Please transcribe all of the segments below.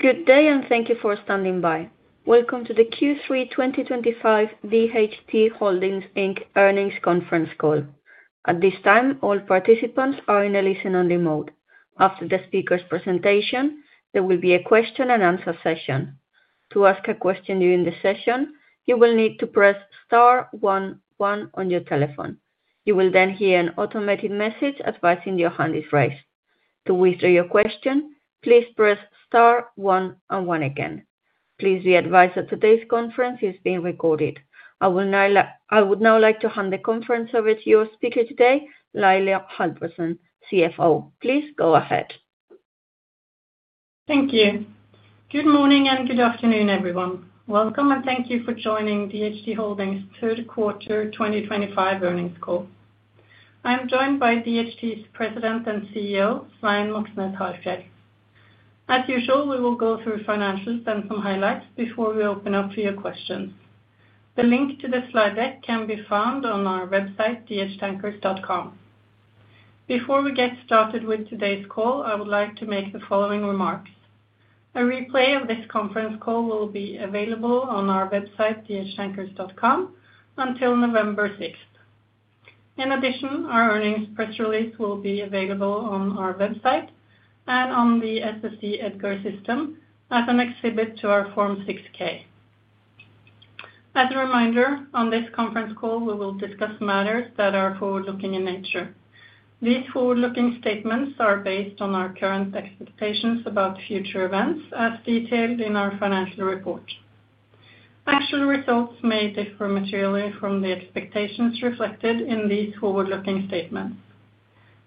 Good day and thank you for standing by. Welcome to the Q3 2025 DHT Holdings Inc. Earnings Conference Call. At this time, all participants are in a listen-only mode. After the speaker's presentation, there will be a question and answer session. To ask a question during the session, you will need to press star one one on your telephone. You will then hear an automated message advising your hand is raised. To withdraw your question, please press Star one one again. Please be advised that today's conference is being recorded. I would now like to hand the conference over to your speaker today, Laila Halvorsen, CFO. Please go ahead. Thank you, good morning and good afternoon everyone. Welcome and thank you for joining DHT Holdings third quarter 2025 earnings call. I am joined by DHT's President and CEO Svein Moxnes Harfjeld. As usual, we will go through financials and some highlights before we open up for your questions. The link to the slide deck can be found on our website dhtankers.com. Before we get started with today's call, I would like to make the following remarks. A replay of this conference call will be available on our website dhtankers.com until November 6th. In addition, our earnings press release will be available on our website and on the SEC EDGAR system as an exhibit to our Form 6-K. As a reminder, on this conference call we will discuss matters that are forward-looking in nature. These forward-looking statements are based on our current expectations about future events as detailed in our financial report. Actual results may differ materially from the expectations reflected in these forward-looking statements.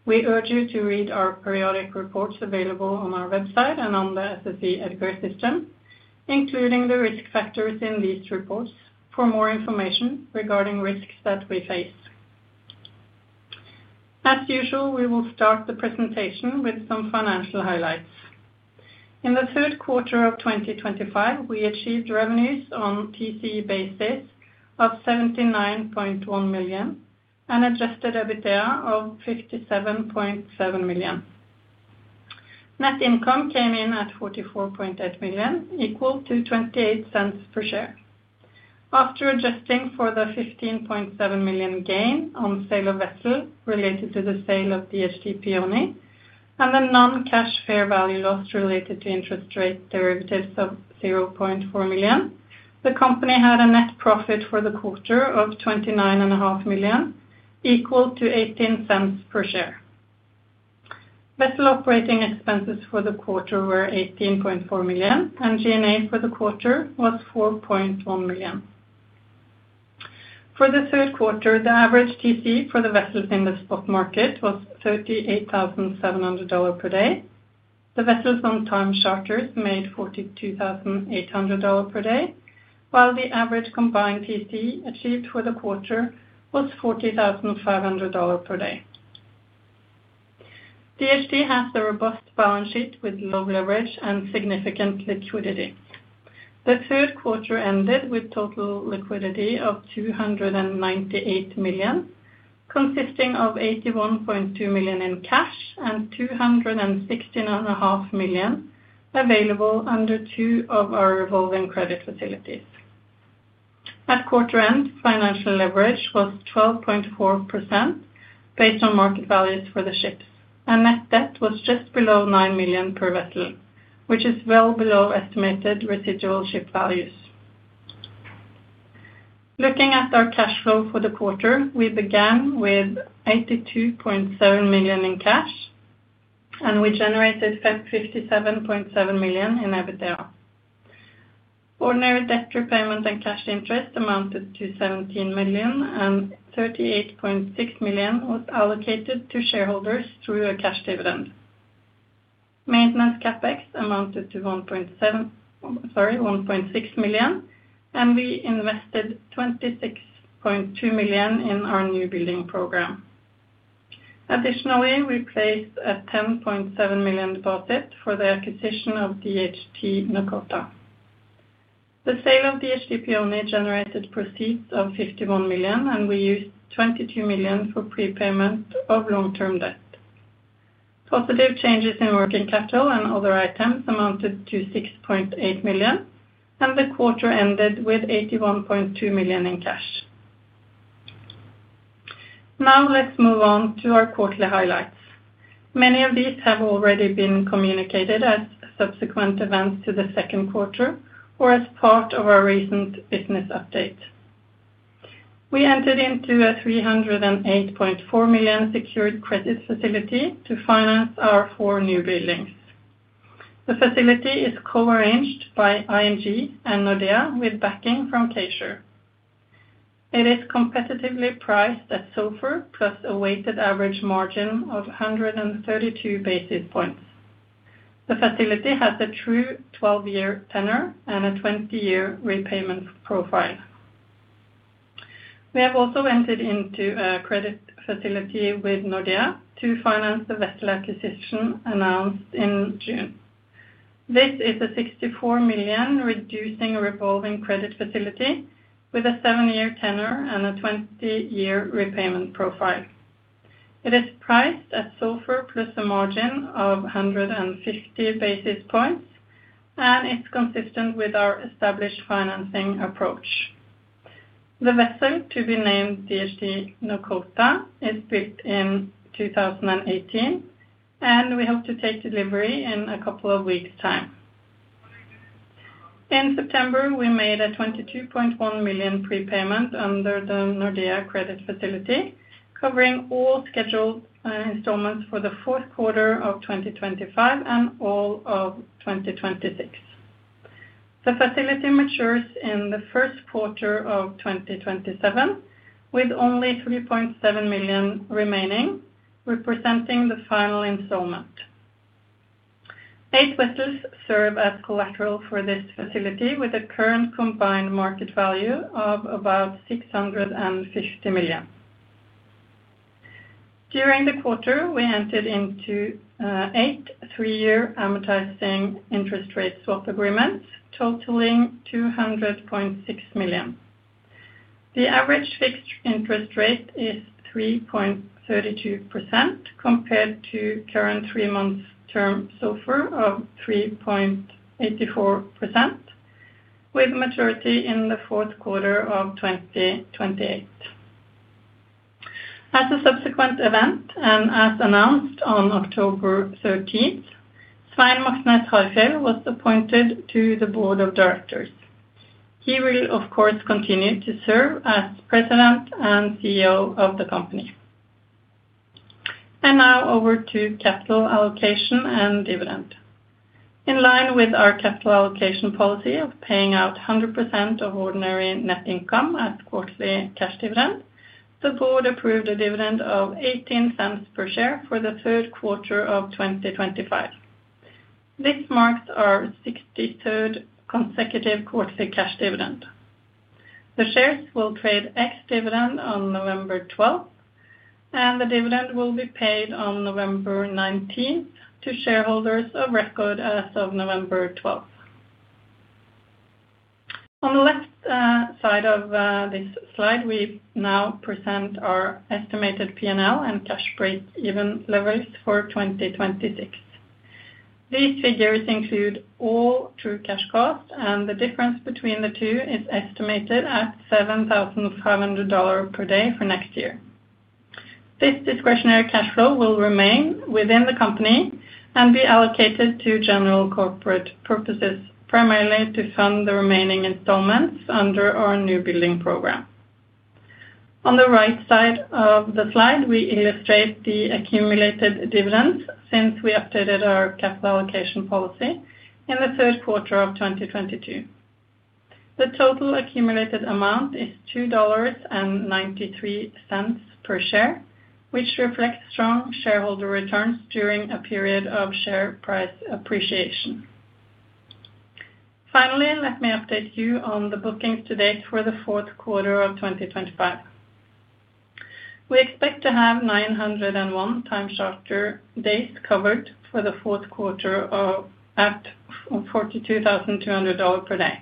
We urge you to read our periodic reports available on our website and on the SEC EDGAR system, including the risk factors in these reports, for more information regarding risks that we face. As usual, we will start the presentation with some financial highlights. In the third quarter of 2025, we achieved revenues on a TCE basis of $79.1 million and adjusted EBITDA of $57.7 million. Net income came in at $44.8 million, equal to $0.28 per share. After adjusting for the $15.7 million gain on sale of vessel related to the sale of DHT Peony and the non-cash fair value loss related to interest rate derivatives of $0.4 million, the company had a net profit for the quarter of $29.5 million, equal to $0.18 per share. Vessel operating expenses for the quarter were $18.4 million and G&A for the quarter was $4.1 million. For the third quarter, the average TCE for the vessels in the spot market was $38,700 per day. The vessels on time charters made $42,800 per day, while the average combined TCE achieved for the quarter was $40,500 per day. DHT has a robust balance sheet with low leverage and significant liquidity. The third quarter ended with total liquidity of $298 million, consisting of $81.2 million in cash and $216.5 million available under two of our revolving credit facilities. At quarter end, financial leverage was 12.4% based on market values for the ships, and net debt was just below $9 million per vessel, which is well below estimated residual ship values. Looking at our cash flow for the quarter, we began with $82.7 million in cash and we generated $57.7 million in EBITDA. Ordinary debt repayment and cash interest amounted to $17 million, and $38.6 million was allocated to shareholders through a cash dividend maintenance. CapEx amounted to $1.6 million, and we invested $26.2 million in our newbuilding program. Additionally, we placed a $10.7 million deposit for the acquisition of DHT Nokota. The sale of DHTP only generated proceeds of $51 million, and we used $22 million for prepayment of long-term debt. Positive changes in working capital and other items amounted to $6.8 million, and the quarter ended with $81.2 million in cash. Now let's move on to our quarterly highlights. Many of these have already been communicated as subsequent events to the second quarter or as part of our recent business update. We entered into a $308.4 million secured credit facility to finance our four newbuildings. The facility is co-arranged by ING and Nordea with backing from K-Sure. It is competitively priced at SOFR plus a weighted average margin of 132 basis points. The facility has a true 12-year tenure and a 20-year repayment profile. We have also entered into a credit facility with Nordea to finance the vessel acquisition announced in June. This is a $64 million reducing revolving credit facility with a 7-year tenure and a 20-year repayment profile. It is priced at SOFR plus a margin of 150 basis points, and it's consistent with our established financing approach. The vessel to be named DHT Nokota is booked in 2018, and we hope to take delivery in a couple of weeks' time. In September, we made a $22.1 million prepayment under the Nordea Credit Facility covering all scheduled installments for the fourth quarter of 2025 and all of 2026. The facility matures in the first quarter of 2027 with only $3.7 million remaining, representing the final installment. Eight vessels serve as collateral for this facility with a current combined market value of about $650 million. During the quarter, we entered into eight three-year amortizing interest rate swap agreements totaling $200.6 million. The average fixed interest rate is 3.32% compared to current three-month term SOFR of 3.84%, with maturity in the fourth quarter of 2028. As a subsequent event and as announced on October 13, Svein Moxnes Harfjeld was appointed to the Board of Directors. He will of course continue to serve as President and CEO of the company. Now over to Capital Allocation and Dividend. In line with our capital allocation policy of paying out 100% of ordinary net income as quarterly cash dividend, the Board approved a dividend of $0.18 per share for the third quarter of 2025. This marks our 63rd consecutive quarterly cash dividend. The shares will trade ex-dividend on November 12th and the dividend will be paid on November 19th to shareholders of record as of November 12th. On the left side of this slide, we now present our estimated P&L and cash breakeven levels for 2026. These figures include all true cash costs and the difference between the two is estimated at $7,500 per day for next year. This discretionary cash flow will remain within the company and be allocated to general corporate purposes, primarily to fund the remaining installments under our newbuilding program. On the right side of the slide, we illustrate the accumulated dividends. Since we updated our capital allocation policy in the third quarter of 2022, the total accumulated amount is $2.93 per share, which reflects strong shareholder returns during a period of share price appreciation. Finally, let me update you on the bookings to date. For the fourth quarter of 2025, we expect to have 901 time charter days covered for the fourth quarter at $42,200 per day.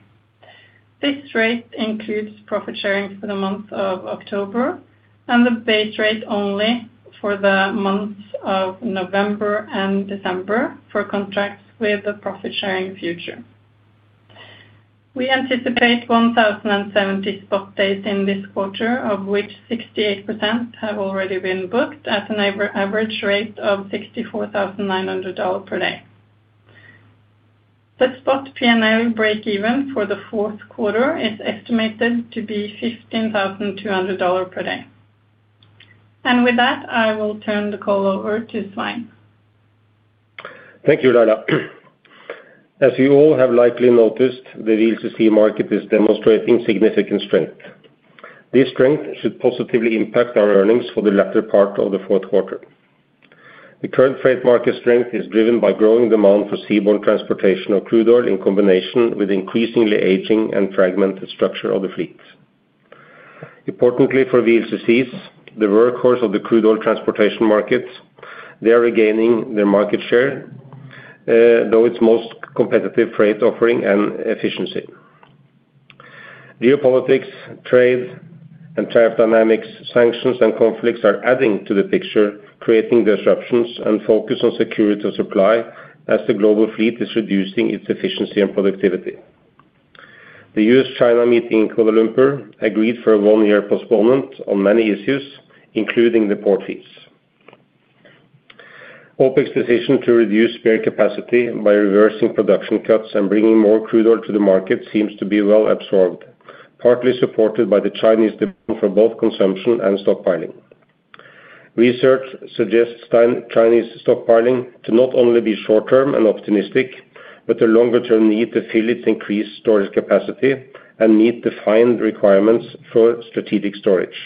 This rate includes profit sharing for the month of October and the base rate only for the months of November and December. For contracts with the profit sharing feature, we anticipate 1,070 spot days in this quarter, of which 68% have already been booked at an average rate of $64,900 per day. The spot P&L breakeven for the fourth quarter is estimated to be $15,200 per day and with that I will turn the call over to Svein. Thank you Laila. As you all have likely noticed, the VLCC market is demonstrating significant strength. This strength should positively impact our earnings for the latter part of the fourth quarter. The current freight market strength is driven by growing demand for seaborne transportation of crude oil in combination with the increasingly aging and fragmented structure of the fleet. Importantly for VLCCs, the workhorse of the crude oil transportation market, they are regaining their market share through its most competitive freight offering and efficiency. Geopolitics, trade and tariff dynamics, sanctions and conflicts are adding to the picture, creating disruptions and focus on security of supply as the global fleet is reducing its efficiency and productivity. The U.S.-China meeting in Kuala Lumpur agreed for a one year postponement on many issues including the portfolios. OPEC's decision to reduce spare capacity by reversing production cuts and bringing more crude oil to the market seems to be well absorbed, partly supported by the Chinese demand for both consumption and stockpiling. Research suggests Chinese stockpiling to not only be short term and optimistic, but a longer term need to fill its increased storage capacity and meet defined requirements for strategic storage.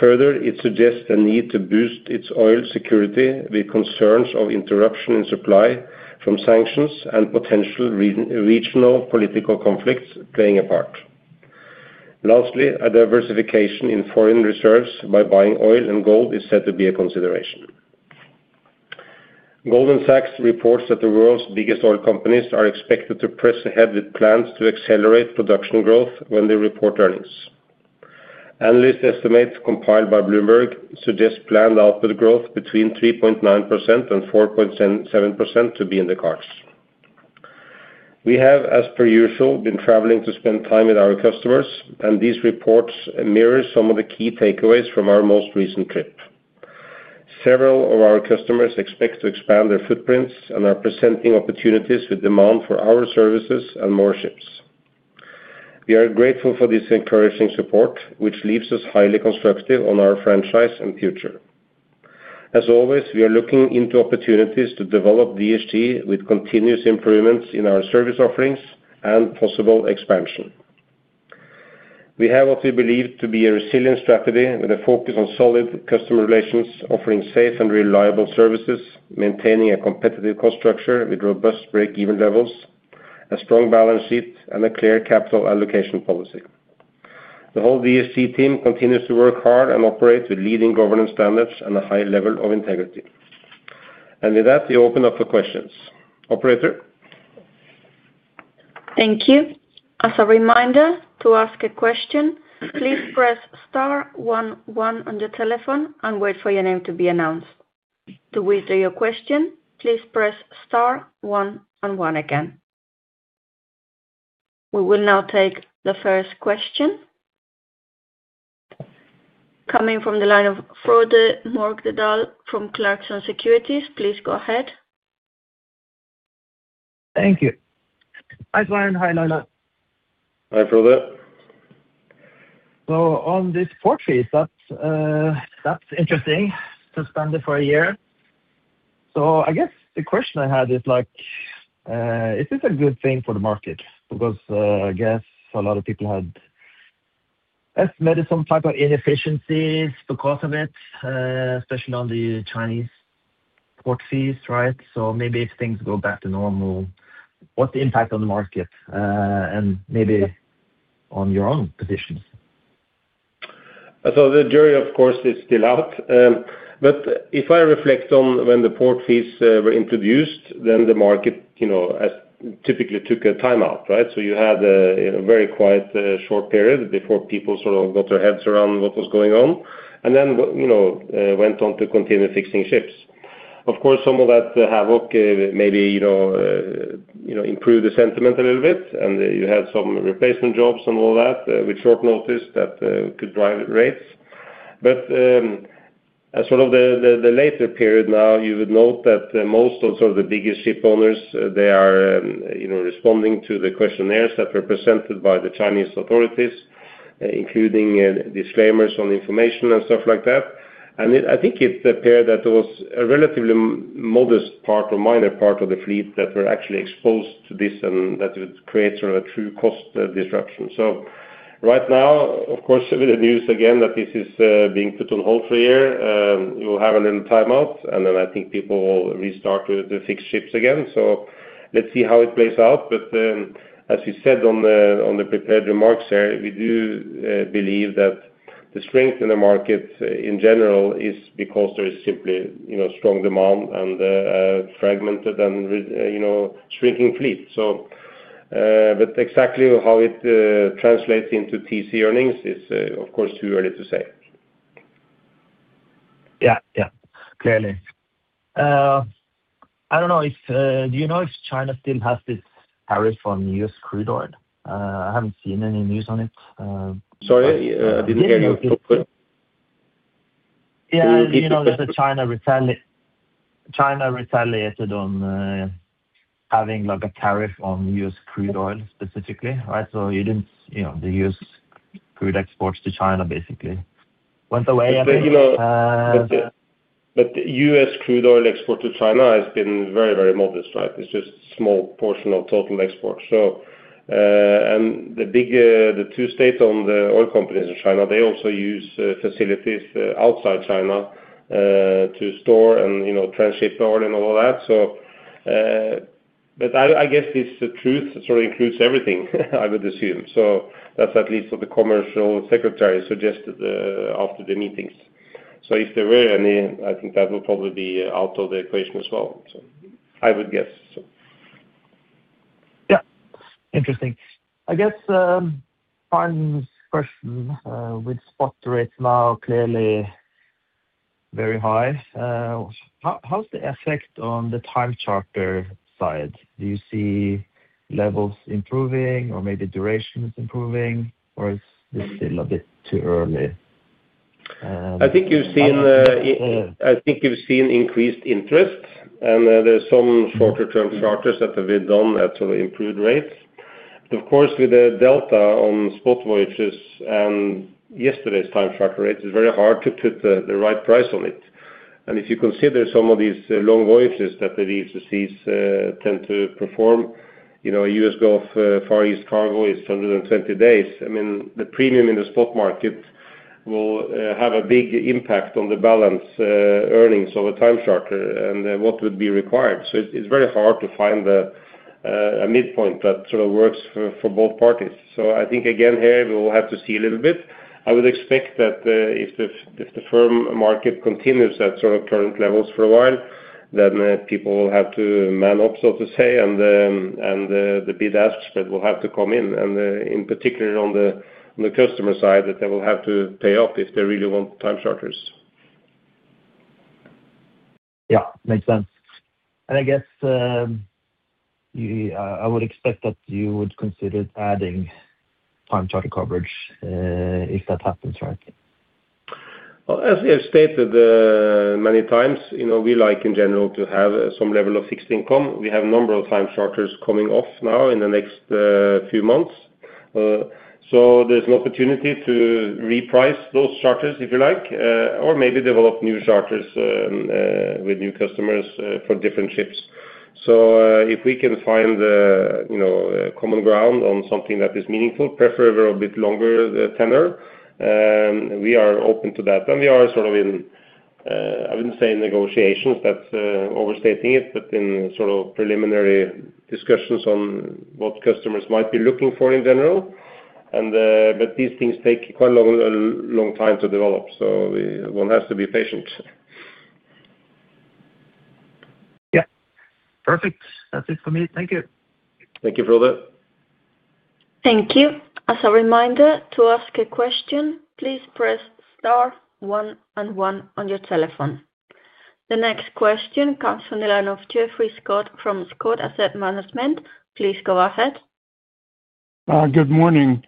Further, it suggests a need to boost its oil security with concerns of interruption in supply from sanctions and potential regional political conflicts playing a part. Lastly, a diversification in foreign reserves by buying oil and gold is said to be a consideration. Goldman Sachs reports that the world's biggest oil companies are expected to press ahead with plans to accelerate production growth when they report earnings. Analyst estimates compiled by Bloomberg suggest planned output growth between 3.9%-4.7% to be in the cards. We have, as per usual, been traveling to spend time with our customers and these reports mirror some of the key takeaways from our most recent trip. Several of our customers expect to expand their footprints and are presenting opportunities with demand for our services and more ships. We are grateful for this encouraging support which leaves us highly constructive on our franchise and future. As always, we are looking into opportunities to develop DHT with continuous improvements in our service offerings and possible expansion. We have what we believe to be a resilient strategy with a focus on solid customer relations, offering safe and reliable services, maintaining a competitive cost structure with robust breakeven levels, a strong balance sheet and a clear capital allocation policy. The whole DHT team continues to work hard and operate with leading governance standards and a high level of integrity, and with that we open up for questions. Operator. Thank you. As a reminder to ask a question, please press star one one on your telephone and wait for your name to be announced. To withdraw your question, please press one one. Again, we will now take the first question coming from the line of Frode Morkedal from Clarksons Securities. Please go ahead. Thank you. Hi, Brian. Hi, Laila. Hi, Frodo. On this portfolio, that's interesting to spend it for a year. I guess the question I had is, is this a good thing for the market? I guess a lot of people had some type of inefficiencies because of it, especially on the Chinese port fees. Right. If things go back to normal, what's the impact on the market and maybe on your own positions? The jury of course is still out, but if I reflect on when the port fees were introduced, the market, you know, typically took a timeout. Right. You had a very quiet short period before people sort of got their heads around what was going on and then went on to continue fixing ships. Of course, some of that havoc maybe improved the sentiment a little bit and you had some replacement jobs and all that with short notice. That could drive rates, but sort of the later period. Now you would note that most of the biggest ship owners are responding to the questionnaires that were presented by the Chinese authorities, including disclaimers on information and stuff like that. I think it appeared that there was a relatively modest part or minor part of the fleet that were actually exposed to this and that would create sort of a true cost disruption. Right now, of course, with the news again that this is being put on hold for a year, you will have a little timeout and then I think people will restart the fixed ships again. Let's see how it plays out. As you said on the prepared remarks there, we do believe that the strength in the market in general is because there is simply strong demand and fragmented and shrinking fleet. Exactly how it translates into TC earnings is of course too early to say. Yeah, clearly, I don't know. Do you know if China still has this tariff on U.S. crude oil? I haven't seen any news on it. Sorry, I didn't hear you. Yeah, you know, China retaliated on having like a tariff on U.S. crude oil specifically. Right. You didn't, you know, the U.S. crude exports to China basically went away. U.S. crude oil export to China has been very, very modest. It's just a small portion of total exports. The two state-owned oil companies in China also use facilities outside China to store and transship oil and all that. I guess this truth sort of includes everything, I would assume. That's at least what the Commercial Secretary suggested after the meetings. If there were any, I think that would probably be out of the equation as well, I would guess. Yeah. Interesting. I guess Arn's question, with spot rates now clearly very high, how's the effect on the time charter side? Do you see levels improving or maybe duration is improving, or is this still a bit too early? I think you've seen increased interest and there's some shorter term charters that have been done at improved rates. Of course, with the delta on spot voyages and yesterday's time charter rates, it's very hard to put the right price on it. If you consider some of these long voyages that the VLCCs tend to perform, you know, a U.S. Gulf Far East cargo is 120 days. I mean the premium in the spot market will have a big impact on the balance earnings of a time charter and what would be required. It's very hard to find a midpoint that sort of works for both parties. I think again here we will have to see a little bit. I would expect that if the firm market continues at sort of current levels for a while, people will have to man up, so to say, and the bid ask spread will have to come in, and in particular on the customer side that they will have to pay up if they really want time charters. Yeah, makes sense. I guess I would expect that you would consider adding time charter coverage if that happens, right. As we have stated many times, we like in general to have some level of fixed income. We have a number of time charters coming off now in the next few months. There is an opportunity to reprice those charters if you like, or maybe develop new charters with new customers for different ships. If we can find common ground on something that is meaningful, prefer a bit longer tenor, we are open to that. We are sort of in, I wouldn't say negotiations, that's overstating it, but in sort of preliminary discussions on what customers might be looking for in general. These things take quite a long time to develop, so one has to be patient. Yeah, perfect. That's it for me. Thank you. Thank you for all that. Thank you. As a reminder to ask a question, please press star one and one on your telephone. The next question comes from the line of Geoffrey Scott from Scott Asset Management. Please go ahead. Good morning.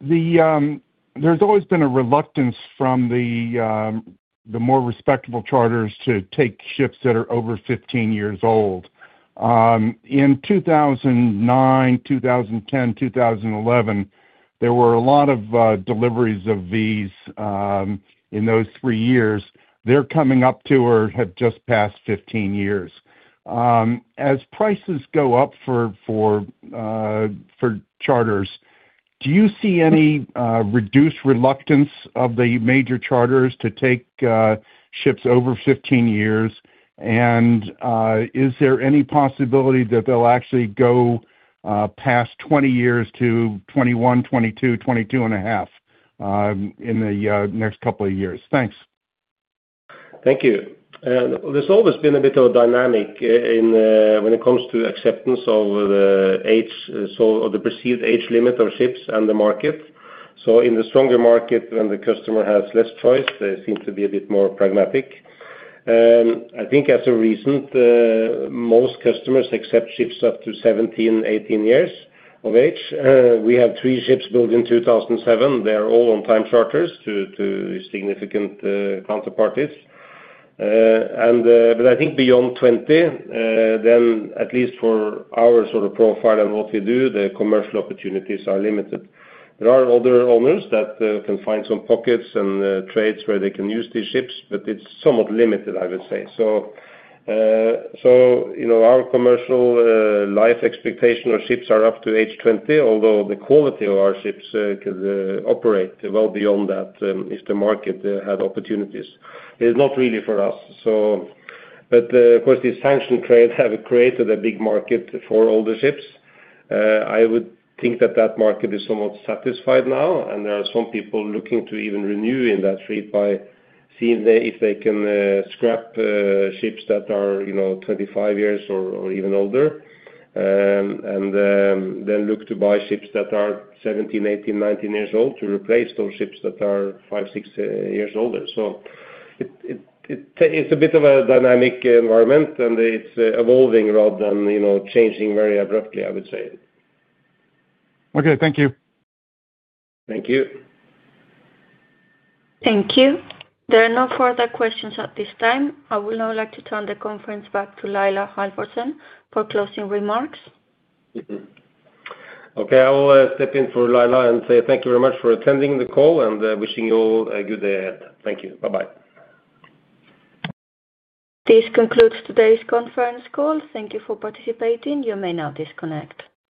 There's always been a reluctance from the more respectable charters to take ships that are over 15 years old. In 2009, 2010, 2011, there were a lot of deliveries of these in those three years. They're coming up to or have just passed 15 years. As prices go up for charters, do you see any reduced reluctance of the major charters to take ships over 15 years? Is there any possibility that they'll actually go past 20 years to 21, 22, 22.5 in the next couple of years? Thanks. Thank you. There's always been a bit of a dynamic when it comes to acceptance of the age, the perceived age limit of ships and the market. In a stronger market, when the customer has less choice, they seem to be a bit more pragmatic. I think as of recent, most customers accept ships up to 17, 18 years. We have three ships built in 2007. They are all on time charters to significant counterparties. I think beyond 20, then at least for our sort of profile and what we do, the commercial opportunities are limited. There are other owners that can find some pockets and trades where they can use these ships, but it's somewhat limited, I would say. Our commercial life expectation of ships is up to age 20, although the quality of our ships could operate well beyond that if the market had opportunities. It's not really for us. Of course, these sanctions trade have created a big market for all the ships. I would think that market is somewhat satisfied now. There are some people looking to even renew in that fleet by seeing if they can scrap ships that are, you know, 25 years or even older and then look to buy ships that are 17, 18, 19 years old to replace those ships that are five, six years older. It's a bit of a dynamic environment and it's evolving rather than changing very abruptly, I would say. Okay, thank you. Thank you. Thank you. There are no further questions at this time. I would now like to turn the conference back to Laila Halvorsen for closing remarks. Okay. I will step in for Laila and say thank you very much for attending the call and wishing you all a good day ahead. Thank you. Bye bye. This concludes today's conference call. Thank you for participating. You may now disconnect.